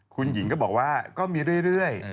คุณหญิงก็บอกว่าก็มีเรื่อย